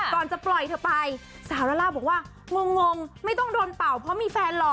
ก่อนจะปล่อยเธอไปสาวลาล่าบอกว่างงไม่ต้องโดนเป่าเพราะมีแฟนหล่อ